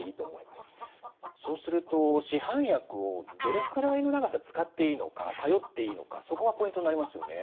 そうすると市販薬をどれくらいの長さ使っていいのか頼っていいのかそこがポイントになりますよね。